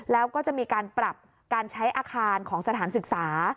แล้วก็จะมีการปรับการใช้อาคารของสถานศึกษา